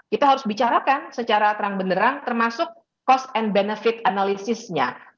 kita harus bicarakan secara terang beneran termasuk cost and benefit analisisnya